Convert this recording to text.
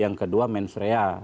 yang kedua mens real